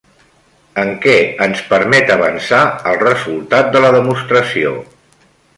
En què ens permet avançar el resultat de la demostració?